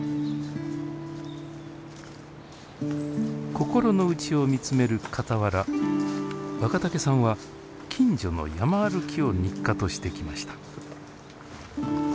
心の内を見つめるかたわら若竹さんは近所の山歩きを日課としてきました。